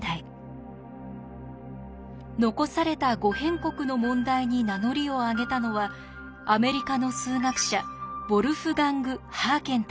残された「五辺国」の問題に名乗りを上げたのはアメリカの数学者ウォルフガング・ハーケンたちでした。